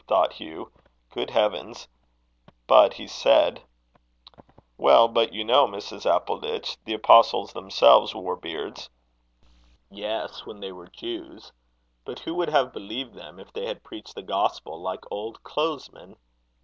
thought Hugh. "Good heavens!" But he said: "Well, but you know, Mrs. Appleditch, the Apostles themselves wore beards." "Yes, when they were Jews. But who would have believed them if they had preached the gospel like old clothesmen?